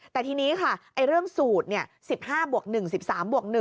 แต่ทีนี้ค่ะเรื่องสูตร๑๕บวก๑๑๓บวก๑